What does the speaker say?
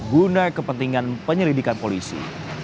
guna kepentingan penyelidikan polisi